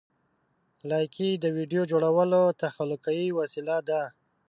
لایکي د ویډیو جوړولو تخلیقي وسیله ده.